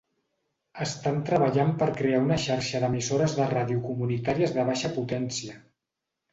Estan treballant per crear una xarxa d'emissores de ràdio comunitàries de baixa potència.